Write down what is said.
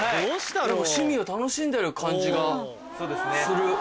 趣味を楽しんでる感じがする。